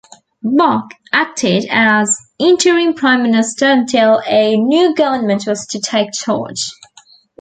Boc acted as interim Prime Minister until a new government was to take charge.